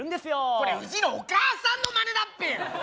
これうちのお母さんのまねだっぺよ！